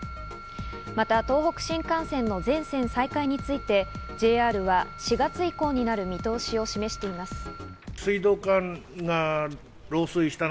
また、東北新幹線の全線再開についてＪＲは４月以降になる見通しを示しています。